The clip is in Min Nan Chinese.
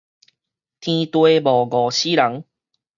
天地無餓死人